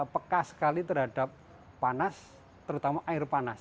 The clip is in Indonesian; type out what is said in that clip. peka sekali terhadap panas terutama air panas